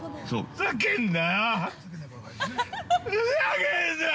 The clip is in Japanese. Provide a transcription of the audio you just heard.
ふざけんな！